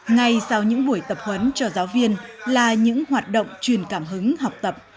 ngay sau những buổi tập huấn cho giáo viên là những hoạt động truyền cảm hứng học tập